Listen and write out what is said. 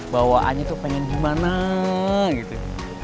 bawaannya tuh pengen gimana gitu